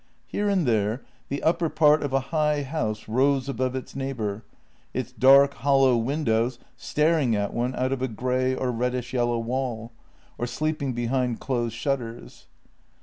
Here and there the upper part of a high house rose above its neighbour, its dark, hollow windows staring at one out of a grey or reddish yellow wall, or sleeping behind closed shutters.